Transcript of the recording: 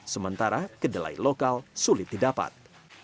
sementara kedelai lokal sulit didapat